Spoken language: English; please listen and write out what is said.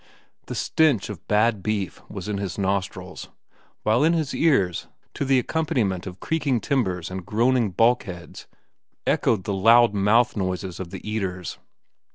The stench of bad beef was in his nostrils, while in his ears, to the accompaniment of creaking timbers and groaning bulkheads, echoed the loud mouth noises of the eaters.